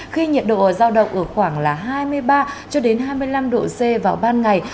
khi nhiệt độ giao động ở khoảng hai mươi ba cho đến hai mươi năm độ c vào ban ngày